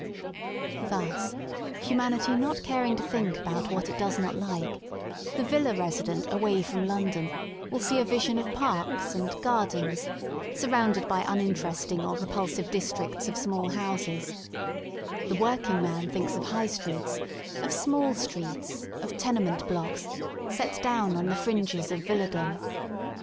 Thus, humanity not caring to think about what it does not like, the villa resident away from London will see a vision of *' Parks " and Gardens," surrounded by uninteresting or repulsive districts of small houses; the working man thinks of High Streets, of small streets, of tenement blocks, set down on the fringes of villadom.